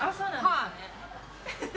はい。